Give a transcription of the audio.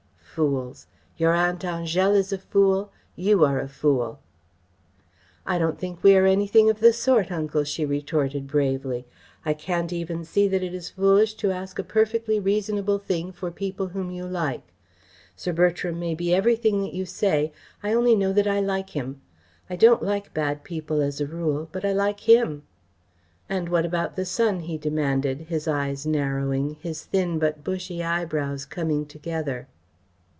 Fools! Your Aunt Angèle is a fool! You are a fool!" "I don't think we are anything of the sort, Uncle," she retorted bravely. "I can't even see that it is foolish to ask a perfectly reasonable thing for people whom you like. Sir Bertram may be everything that you say. I only know that I like him. I don't like bad people as a rule, but I like him." "And what about the son?" he demanded, his eyes narrowing, his thin but bushy eyebrows coming together.